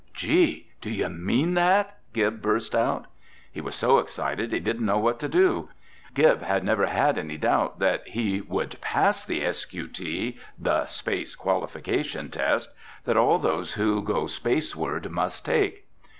"Gee, do you mean that?" Gib burst out. He was so excited he didn't know what to do. Gib had never had any doubt that he would pass the S.Q.T.—the Space Qualification Test—that all those who go spaceward must take.